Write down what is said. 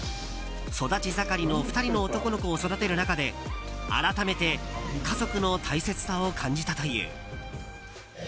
育ち盛りの２人の男の子を育てる中で改めて家族の大切さを感じたという。